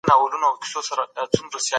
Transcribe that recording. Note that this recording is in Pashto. هغه شپه او ورځ د ټولني خدمت کاوه.